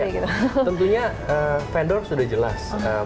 tentunya vendor sudah jelas